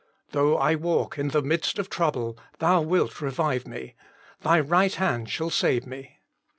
Though I walk in the midst of trouble, Thou wilt revive me: Thy right hand shall save me."